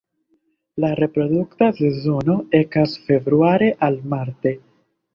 La reprodukta sezono ekas februare al marte.